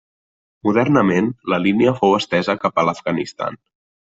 Modernament la línia fou estesa cap a l'Afganistan.